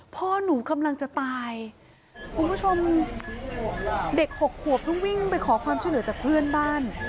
พ่อหนูกำลังจะตายคุณผู้ชมเด็กหกขวบต้องวิ่งไปขอความช่วยเหลือจากเพื่อนบ้าน